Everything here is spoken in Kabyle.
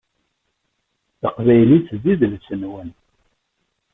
Taqbaylit d idles-nwen.